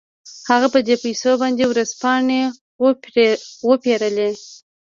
هغه په دې پيسو باندې ورځپاڼې وپېرلې.